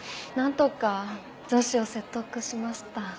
なんとか上司を説得しました。